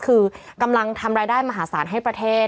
คือกำลังทำรายได้มหาศาลให้ประเทศ